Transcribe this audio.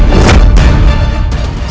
paman yang menutupi rahasia ini